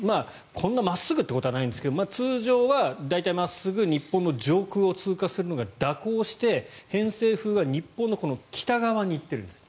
こんな真っすぐということはないんですが通常は大体、真っすぐ日本の上空を通過するのが蛇行して偏西風が日本の北側に行っているんです。